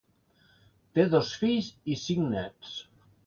Té dos fills i cinc néts.